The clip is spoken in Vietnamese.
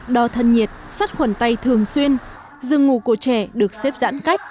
đo thân nhiệt sắt khuẩn tay thường xuyên giường ngủ của trẻ được xếp giãn cách